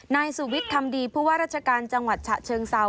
นายสุวิทย์คำดีผู้ว่าราชการจังหวัดฉะเชิงเซา